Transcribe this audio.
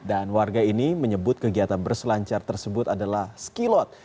dan warga ini menyebut kegiatan berselancar tersebut adalah skilot